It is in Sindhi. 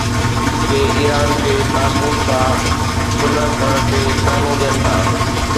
ڪي ايران کي طاغوت سان صلح ڪرڻ تي طعنو ڏين ٿا.